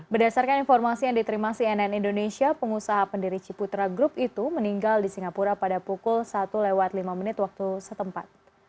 berdasarkan informasi yang diterima cnn indonesia pengusaha pendiri ciputra group itu meninggal di singapura pada pukul satu lewat lima menit waktu setempat